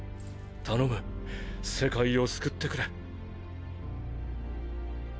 頼む世界を救ってくれ。